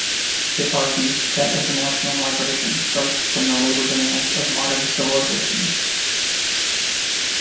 It argues that international migration starts from the labour demands of modern civilization.